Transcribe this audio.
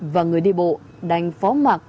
và người đi bộ đánh phó mặt